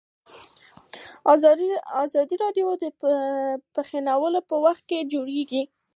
ازادي راډیو د کډوال په اړه پراخ بحثونه جوړ کړي.